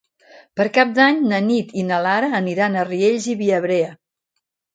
Per Cap d'Any na Nit i na Lara aniran a Riells i Viabrea.